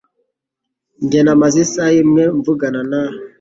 Njye namaze isaha imwe mvugana na .